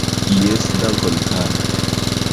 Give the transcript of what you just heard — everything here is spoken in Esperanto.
Jes, dankon kara!